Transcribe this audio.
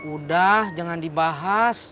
udah jangan dibahas